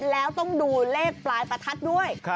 แล้วต้องดูเลขปลายประทัดด้วย